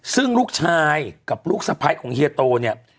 ซึ่งลูกชายกับลูกสะพ้ายของเฮียโตเนี่ย